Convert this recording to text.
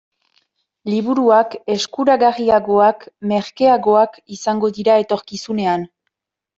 Liburuak eskuragarriagoak, merkeagoak, izango dira etorkizunean.